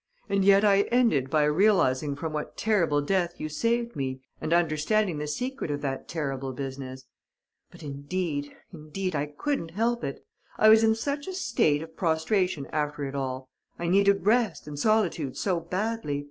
And yet I ended by realizing from what terrible death you saved me and understanding the secret of that terrible business! But indeed, indeed I couldn't help it! I was in such a state of prostration after it all! I needed rest and solitude so badly!